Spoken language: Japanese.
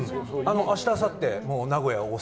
明日、あさって、名古屋、大阪。